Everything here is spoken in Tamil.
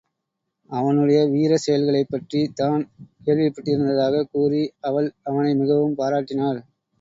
அவனுடைய வீரச் செயல்களைப் பற்றித் தான் கேள்விப்பட்டிருந்ததாகக் கூறி, அவள் அவனை மிகவும் பாராட்டினாள்.